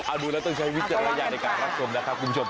เอาดูแล้วต้องใช้วิชาระยะในการรับทรมนะครับคุณผู้ชมครับ